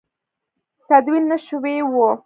تدوین نه شوي وو.